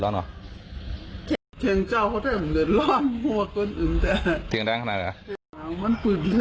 บ้านนาจริงก็เหมือนได้เพราะวันก็โหลเยอะ